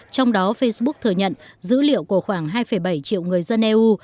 trong đó facebook thừa nhận dữ liệu của khoảng hai bảy triệu người dân eu